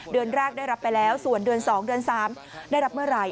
เดือนแรกได้รับไปแล้วส่วนเดือน๒เดือน๓ได้รับเมื่อไหร่